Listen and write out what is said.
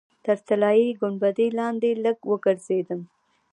تر طلایي ګنبدې لاندې لږ وګرځېدم.